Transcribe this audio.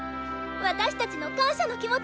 私たちの感謝のキモチ。